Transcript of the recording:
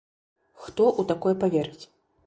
Хто ў такое паверыць?